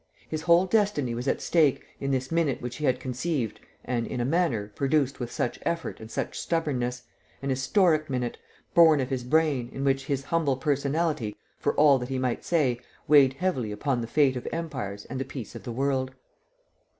His whole destiny was at stake, in this minute which he had conceived and, in a manner, produced with such effort and such stubbornness, an historic minute, born of his brain, in which "his humble personality," for all that he might say, weighed heavily upon the fate of empires and the peace of the world.